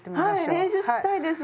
はい練習したいです。